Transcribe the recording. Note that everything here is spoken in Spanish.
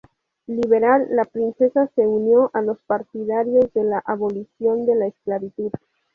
Liberal, la princesa se unió a los partidarios de la abolición de la esclavitud.